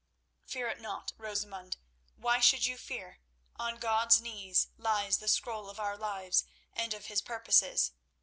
"Fear it not, Rosamund. Why should you fear? On God's knees lies the scroll of our lives, and of His purposes.